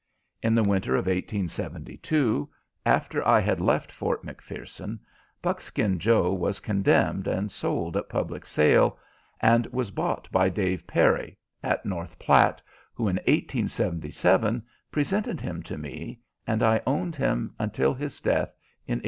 In the winter of 1872, after I had left Fort McPherson, Buckskin Joe was condemned and sold at public sale, and was bought by Dave Perry, at North Platte, who in 1877 presented him to me, and I owned him until his death in 1879.